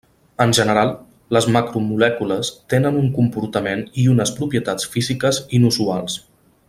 En general, les macromolècules tenen un comportament i unes propietats físiques inusuals.